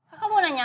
hah apaan sih